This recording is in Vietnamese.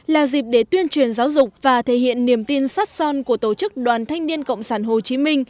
là dịp để tuyên truyền giáo dục và thể hiện niềm tin sắt son của tổ chức đoàn thanh niên cộng sản hồ chí minh